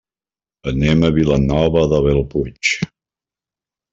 Anem a Vilanova de Bellpuig.